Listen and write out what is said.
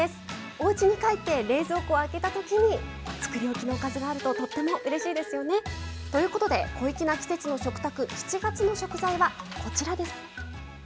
おうちに帰って冷蔵庫を開けたときにつくりおきのおかずがあるととってもうれしいですよね。ということで「小粋な季節の食卓」７月の食材はこちらです。